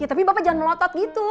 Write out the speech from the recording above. tapi bapak jangan melotot gitu